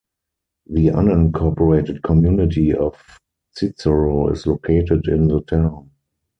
The unincorporated community of Cicero is located in the town.